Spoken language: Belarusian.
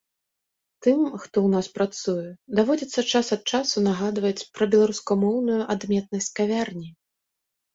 Тым, хто ў нас працуе, даводзіцца час ад часу нагадваць пра беларускамоўную адметнасць кавярні.